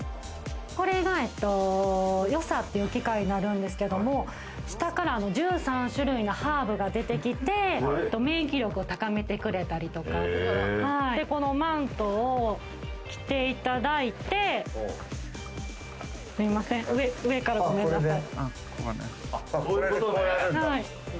これがヨサという機械になるんですけども、下から１３種類のハーブが出てきて免疫力を高めてくれたりとか、このマントを着ていただいて、上からごめんなさい。